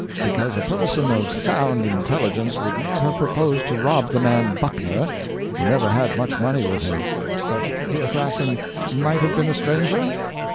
Because a person of sound intelligence would not have proposed to rob the man Buckner, who never had much money with him. But the assassin might have been a stranger?